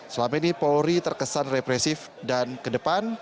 selama ini polri terkesan represif dan ke depan